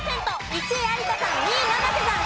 １位有田さん２位生瀬さん